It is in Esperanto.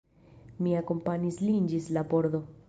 Mi akompanis lin ĝis la pordo.